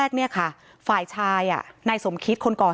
เป็นวันที่๑๕ธนวาคมแต่คุณผู้ชมค่ะกลายเป็นวันที่๑๕ธนวาคม